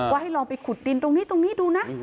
ให้ลองไปขุดดินตรงนี้ตรงนี้ดูนะ